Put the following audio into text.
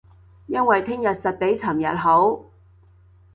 因為聼日實比尋日好